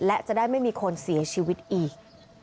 และจะได้ไม่มีคนเสียชีวิตอีก